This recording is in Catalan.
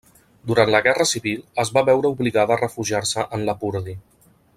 Durant la Guerra Civil es va veure obligada a refugiar-se en Lapurdi.